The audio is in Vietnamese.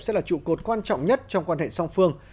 sẽ là trụ cột quan trọng nhất trong quan hệ song phương